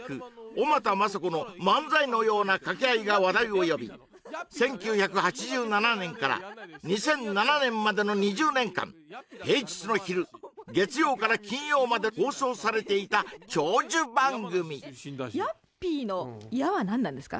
小俣雅子の漫才のような掛け合いが話題を呼び１９８７年から２００７年までの２０年間平日の昼月曜から金曜まで放送されていた長寿番組ヤッピーの「ヤ」は何なんですか？